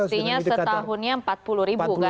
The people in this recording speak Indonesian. artinya setahunnya empat puluh ribu kan